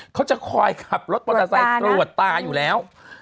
เขาจะคอยขับรถมอเตอร์ไซค์ตรวจตาอยู่แล้ว